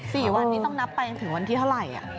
สี่วันนี้ต้องนับไปจนถึงวันที่เท่าไหร่